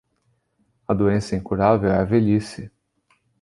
A doença incurável é a velhice.